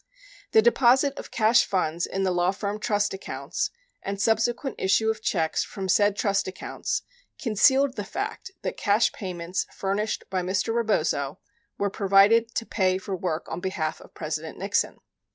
The deposit of cash funds in the law firm trust accounts and subse quent issue of checks from said trust accounts concealed the fact that cash payments furnished by Mr. Rebozo were provided to pay for work on behalf of President Nixon.